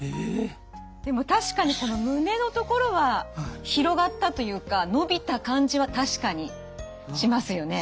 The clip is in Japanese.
でも確かにこの胸の所は広がったというか伸びた感じは確かにしますよね？